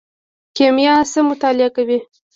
کیمیا څه مطالعه کوي؟